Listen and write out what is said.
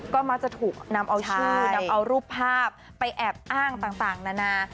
ก็มักจะถูกนำเอาชื่อนำเอารูปภาพไปแอบอ้างต่างนานา